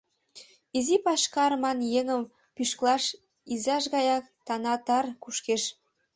Изи пашкар, ман, еҥым пӱшкылаш изаж гаяк танатар кушкеш.